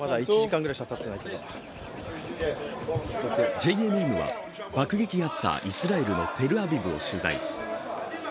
ＪＮＮは爆撃があったイスラエルのテルアビブを取材。